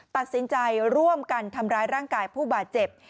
ตัดสินใจร่วมกันทำร้ายร่างกายผู้บาดเจ็บ